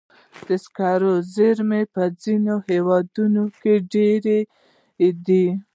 د سکرو زیرمې په ځینو هېوادونو کې ډېرې دي.